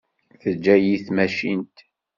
Teǧǧa-yi tmacint.